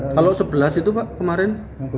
kalau sebelas itu pak kemarin